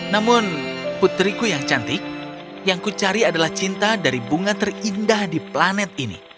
namun putriku yang cantik yang ku cari adalah cinta dari bunga terindah di planet ini